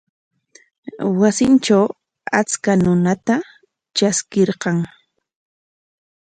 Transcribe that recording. Wasintraw achka runata traskirqan.